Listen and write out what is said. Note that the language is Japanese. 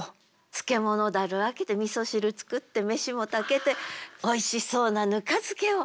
漬物だる開けてみそ汁作って飯も炊けておいしそうな糠漬けを。